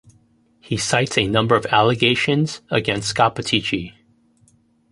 He cites a number of allegations against Scappaticci.